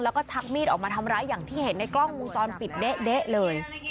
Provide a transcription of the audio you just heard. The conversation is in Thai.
แล้วก็ชักมีดออกมาทำร้ายอย่างที่เห็นในกล้องวงจรปิดเด๊ะเลย